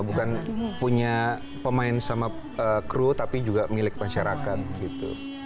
bukan punya pemain sama kru tapi juga milik masyarakat gitu